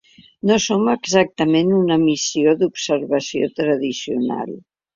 No som exactament una missió d’observació tradicional.